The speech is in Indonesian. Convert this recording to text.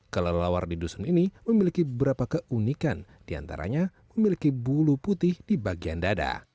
kelelawar di dusun ini memiliki beberapa keunikan diantaranya memiliki bulu putih di bagian dada